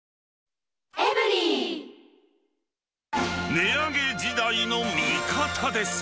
値上げ時代の味方です！